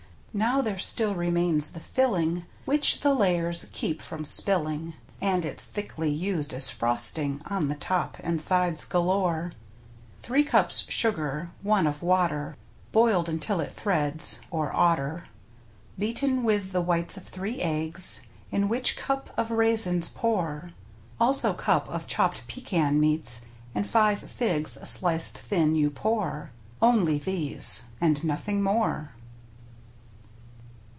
Now there still remains the " filling," which the layers keep from spilling (And it's thickly used as frosting on the top and sides galore) : Three cups sugar, one of water, boiled until it threads (or "oughter"). Beaten with the whites of three eggs, in which cup of raisins pour — Also cup of chopped pecan meats, and five figs sliced thin, you pour. Only these, ar^^^ nothing more.